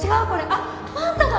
あっマンタだ！